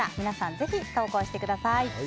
ぜひ投稿してください。